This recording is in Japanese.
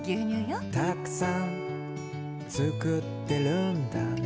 「たくさん作ってるんだね」